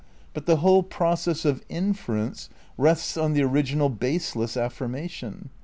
But the whole process of inference rests on the original baseless affirmation.